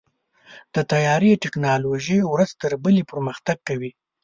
د طیارې ټیکنالوژي ورځ تر بلې پرمختګ کوي.